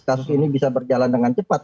kasus ini bisa berjalan dengan cepat